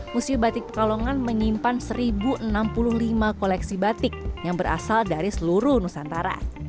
museum batik pekalongan menyimpan satu enam puluh lima koleksi batik yang berasal dari seluruh nusantara